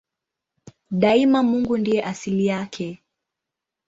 Daima Mungu ndiye asili yake.